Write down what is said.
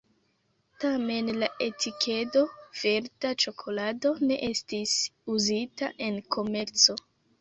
Tamen la etikedo “verda ĉokolado ne estis uzita en komerco.